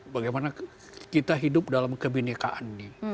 bagaimana kita hidup dalam kebinekaan